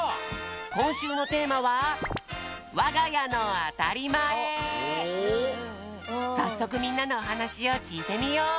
こんしゅうのテーマはさっそくみんなのおはなしをきいてみよう！